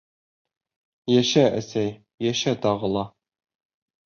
Йәшә, әсәй, йәшә тағы ла.